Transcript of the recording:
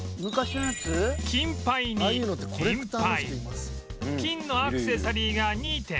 金杯に銀杯金のアクセサリーが２点